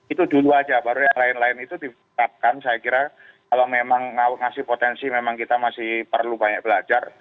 itu dulu aja baru yang lain lain itu ditetapkan saya kira kalau memang ngasih potensi memang kita masih perlu banyak belajar